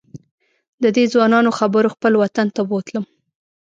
ددې ځوانانو خبرو خپل وطن ته بوتلم.